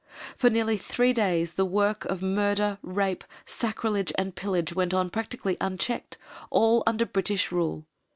For nearly three days the work of murder, rape, sacrilege, and pillage went on practically unchecked all under British rule.